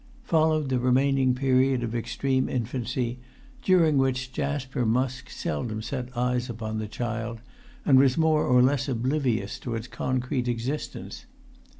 Followed the remaining period of extreme infancy, during which Jasper Musk seldom set eyes upon the child, and was more or less oblivious to its concrete existence.